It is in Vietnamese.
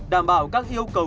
đảm bảo các yêu cầu